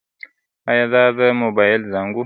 ایا دا د موبایل زنګ و؟